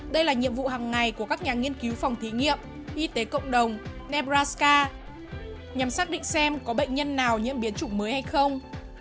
đây là nhiệm vụ hàng ngày của các nhà nghiên cứu phòng thí nghiệm y tế cộng đồng nebraska nhằm xác định xem có bệnh nhân nào nhiễm biến chủng mới hay không